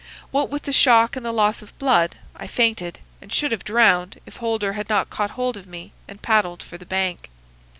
What with the shock and the loss of blood, I fainted, and should have drowned if Holder had not caught hold of me and paddled for the bank.